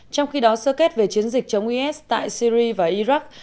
trong khi đó sơ kết về chiến dịch chống is tại syri và iraq